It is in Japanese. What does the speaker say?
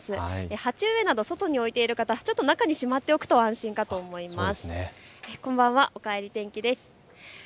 鉢植えなど外に置いている方、中にしまっておくと安心かと思います。